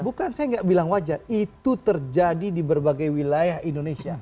bukan saya nggak bilang wajar itu terjadi di berbagai wilayah indonesia